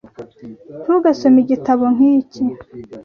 Ntugasome igitabo nk'iki.